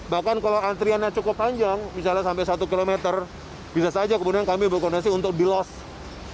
bahkan kalau antriannya cukup panjang misalnya sampai satu km bisa saja kemudian kami berkonensi untuk di loss